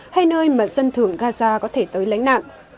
hay nơi mà dân thường gaza có thể tới lánh nạn